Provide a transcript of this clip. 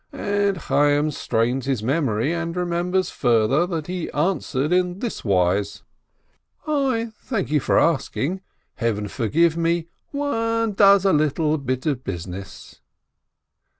And Chayyim strains his memory and remembers further that he answered on this wise: "I thank you for asking! Heaven forgive me, one does a little bit of business